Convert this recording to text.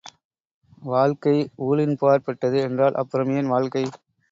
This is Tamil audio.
வாழ்க்கை ஊழின்பாற்பட்டது என்றால் அப்புறம் ஏன் வாழ்க்கை?